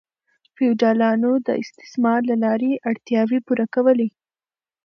فیوډالانو د استثمار له لارې اړتیاوې پوره کولې.